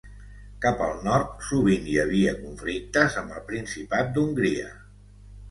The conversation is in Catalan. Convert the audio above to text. Cap al nord, sovint hi havia conflictes amb el Principat d'Hongria.